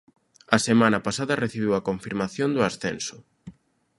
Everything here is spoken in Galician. A semana pasada recibiu a confirmación do ascenso.